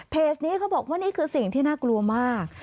นี้เขาบอกว่านี่คือสิ่งที่น่ากลัวมาก